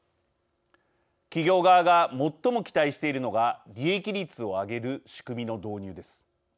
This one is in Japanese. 企業側が最も期待しているのが利益率を上げる仕組みの導入です。